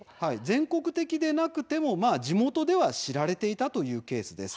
全国的でなくても地元では知られていたというケースです。